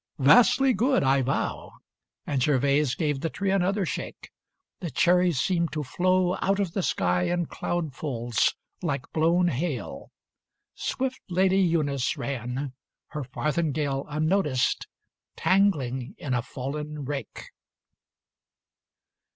"Vastly good, I vow," And Gervase gave the tree another shake. The cherries seemed to flow Out of the sky in cloudfuls, like blown hail. Swift Lady Eunice ran, her farthingale, Unnoticed, tangling in a fallen rake.